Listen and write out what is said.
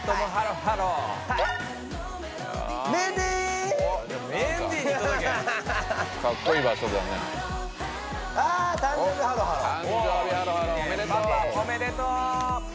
パパおめでとう！